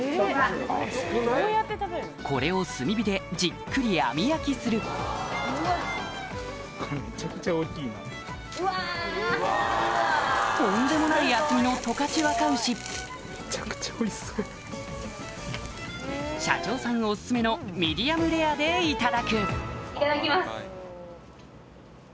これを炭火でじっくり網焼きするとんでもない厚みの十勝若牛社長さんおすすめのミディアムレアでいただくいただきます。